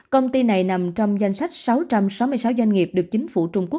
công ty này nằm trong danh sách sáu trăm sáu mươi sáu doanh nghiệp được chính phủ trung quốc